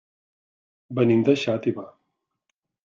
Venim de Xàtiva.